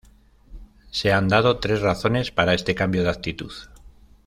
Se han dado tres razones para este cambio de actitud.